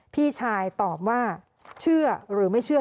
พี่ชายตอบว่าเชื่อหรือไม่เชื่อ